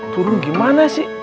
turun gimana sih